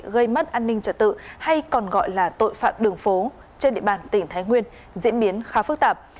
gây mất an ninh trật tự hay còn gọi là tội phạm đường phố trên địa bàn tỉnh thái nguyên diễn biến khá phức tạp